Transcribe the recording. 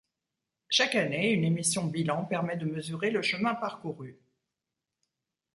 Chaque année, une émission bilan permet de mesurer le chemin parcouru.